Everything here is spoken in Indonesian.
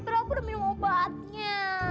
terlalu udah minum obatnya